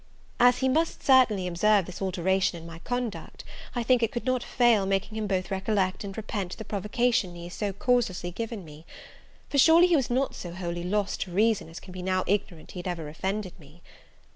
As he must certainly observe this alteration in my conduct, I think it could not fail making him both recollect and repent the provocation he had so causelessly given me; for surely he was not so wholly lost to reason, as to be now ignorant he had ever offended me.